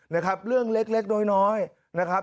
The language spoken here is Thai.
นะครับเรื่องเล็กน้อยนะครับ